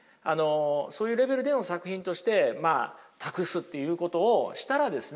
そういうレベルでの作品として託すということをしたらですね